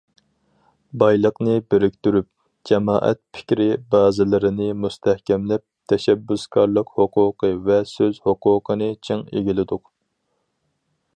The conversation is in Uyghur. بايلىقنى بىرىكتۈرۈپ، جامائەت پىكرى بازىلىرىنى مۇستەھكەملەپ، تەشەببۇسكارلىق ھوقۇقى ۋە سۆز ھوقۇقىنى چىڭ ئىگىلىدۇق.